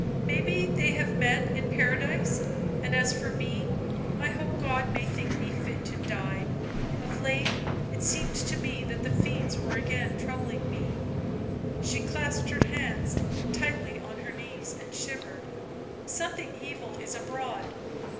" Maybe they have met in Paradise — and as for me I hope God may think me fit to die — of late it seemed to me that the fiends were again troubling me "— she clasped her hands tightly on her knees and shivered ;" something evil is abroad